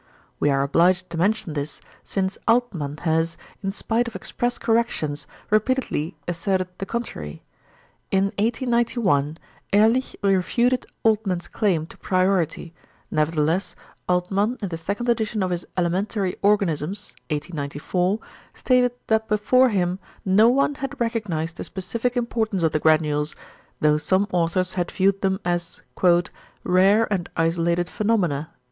We are obliged to mention this, since Altmann has, in spite of express corrections, repeatedly asserted the contrary. In 1891 Ehrlich refuted Altmann's claim to priority, nevertheless, Altmann in the 2nd edition of his Elementary Organisms (1894) stated that before him no one had recognised the specific importance of the granules, though some authors had viewed them as "rare and isolated phenomena."